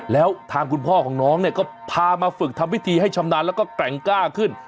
แล้วทางคุณพ่อของน้องเนี่ยก็พามาฝึกทำพิธีให้ชำนาญแล้วก็แกร่งกล้าขึ้น